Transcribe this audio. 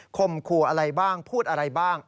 มขู่อะไรบ้างพูดอะไรบ้าง